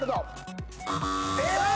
えっ！？